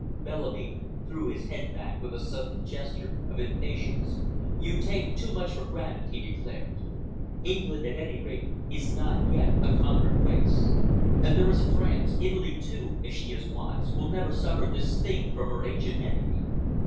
Bellamy threw his head back with a sudden gesture of impatience. "You take too much for granted," he declared. "England, at any rate, is not yet a conquered race. And there is France—Italy, too, if she is wise, will never suffer this thing from her ancient enemy."